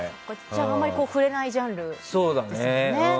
あまり触れないジャンルですよね。